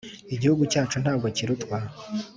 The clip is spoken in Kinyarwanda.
Igihugu cyacu ntabwo kirutwa